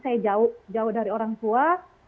saya jauh jauh dari orang tua